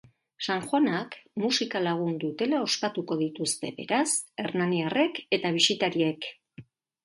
Sanjoanak musika lagun dutela ospatuko dituzte, beraz, hernaniarrek eta bisitariek.